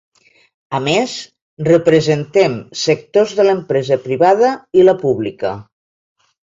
A més, representem sectors de l’empresa privada i la pública.